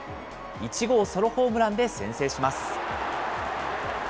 １号ソロホームランで先制します。